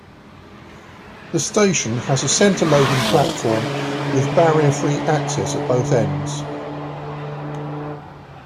The station has a center-loading platform with barrier-free access at both ends.